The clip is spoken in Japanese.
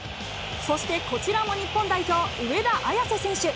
そしてこちらも日本代表、上田綺世選手。